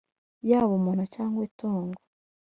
yaba umuntu cyangwa itungo